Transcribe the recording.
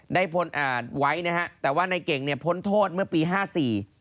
ได้ไว้นะฮะแต่ว่านายเก่งเนี่ยพ้นโทษเมื่อปี๕๔